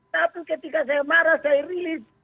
tapi ketika saya marah saya rilis